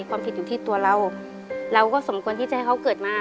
ความผิดอยู่ที่ตัวเราเราก็สมควรที่จะให้เขาเกิดมา